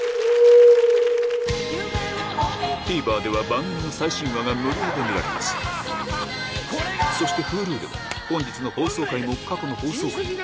ＴＶｅｒでは番組の最新話が無料で見られますそしてＨｕｌｕでは本日の放送回も過去の放送回もいつでもどこでも見られます